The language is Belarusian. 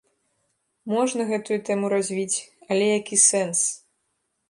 Можна гэтую тэму развіць, але які сэнс?